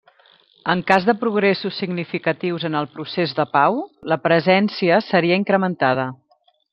En cas de progressos significatius en el procés de pau, la presència seria incrementada.